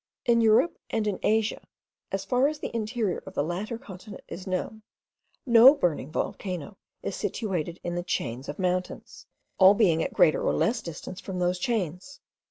In Europe and in Asia, as far as the interior of the latter continent is known, no burning volcano is situated in the chains of mountains; all being at a greater or less distance from those chains.